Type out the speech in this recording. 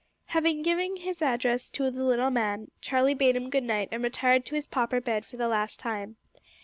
Having given his address to the little man, Charlie bade him good night and retired to his pauper bed for the last time.